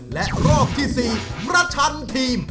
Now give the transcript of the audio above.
และรอบที่๔ประชันทีม